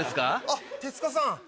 あっ手塚さん。